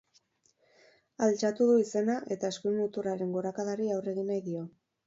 Altxatu du izena eta eskuin muturraren gorakadari aurre egin nahi dio.